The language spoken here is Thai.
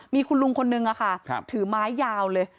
มีคุณลุงคนนึงค่ะถือไม้ยาวเลย